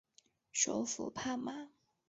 首府帕马。